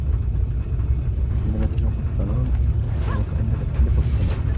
عندما تسوق في الظلام تحس و كأنك تحلق في السماء.